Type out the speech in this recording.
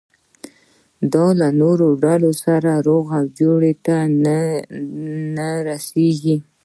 دا له نورو ډلو سره روغې جوړې ته نه رسېږي.